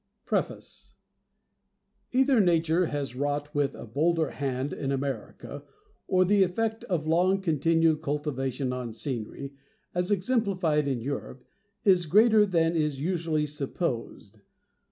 PREFACE. Either Nature has wrought with a bolder hand in America, or the effect of long continued cultivation on scenery, as exemplified in Europe, is greater than is usually supposed.